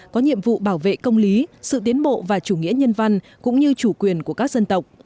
có nhiệm vụ bảo vệ công lý sự tiến bộ và chủ nghĩa nhân văn cũng như chủ quyền của các dân tộc